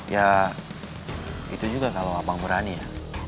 ya itu juga kalau abang berani ya